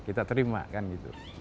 kita terima kan gitu